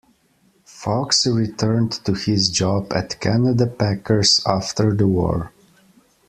Fox returned to his job at Canada Packers after the war.